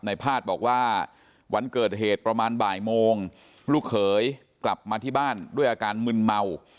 พาดบอกว่าวันเกิดเหตุประมาณบ่ายโมงลูกเขยกลับมาที่บ้านด้วยอาการมึนเมา